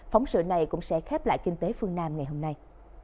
phóng sự này cũng sẽ khép lại kinh tế phương nam ngày hôm nay